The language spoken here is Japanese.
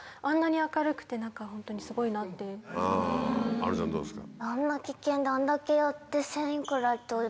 あのちゃんどうですか？